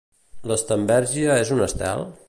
L'esternbèrgia és un estel?